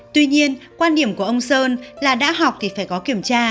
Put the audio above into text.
tuy nhiên quan điểm của ông sơn là đã học thì phải có kiểm tra